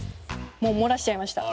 もう漏らしちゃいました。